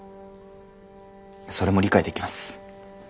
それも理解できます。